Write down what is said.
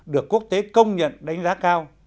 được quốc tế công nhận đánh giá cao